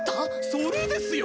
それですよ！